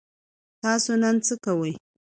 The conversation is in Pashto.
تاسو نن څه کوئ؟